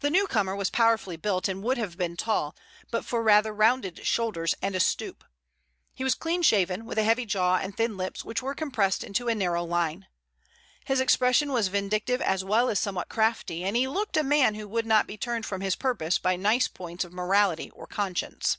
The newcomer was powerfully built and would have been tall, but for rather rounded shoulders and a stoop. He was clean shaven, with a heavy jaw and thin lips which were compressed into a narrow line. His expression was vindictive as well as somewhat crafty, and he looked a man who would not be turned from his purpose by nice points of morality or conscience.